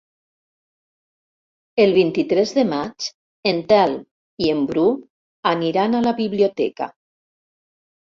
El vint-i-tres de maig en Telm i en Bru aniran a la biblioteca.